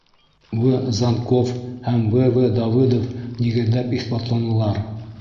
В. Занков һәм В. В. Давыдов нигеҙләп иҫбатланылар.